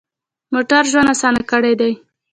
موټر ژوند اسان کړی دی.